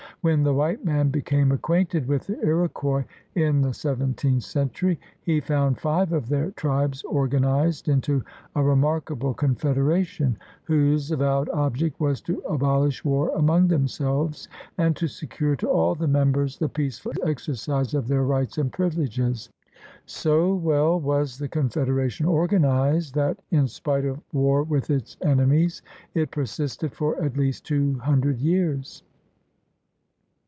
When the white man became acquainted with the Iroquois in the seventeenth century, he found five of their tribes organized into a remarkable confederation whose avowed object was to abolish war among themselves and to secure to all the members the peaceful exercise of their rights and privileges. So well was the confederation organized that, in spite of war with its enemies, it persisted for at least two hundred years.